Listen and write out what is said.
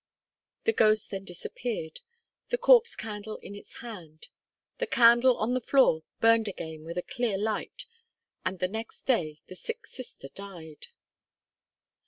The ghost then disappeared, the Corpse Candle in its hand; the candle on the floor burned again with a clear light, and the next day the sick sister died.